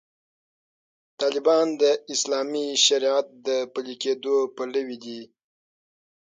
طالبان د اسلامي شریعت د پلي کېدو پلوي دي.